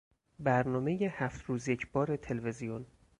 برنامهی هفت روز یکبار تلویزیون